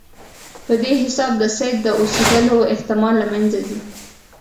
په دې حساب د سید د اوسېدلو احتمال له منځه ځي.